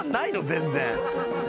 全然。